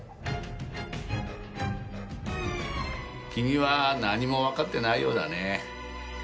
君は何もわかってないようだね。